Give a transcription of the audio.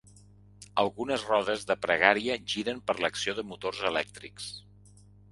Algunes rodes de pregària giren per l'acció de motors elèctrics.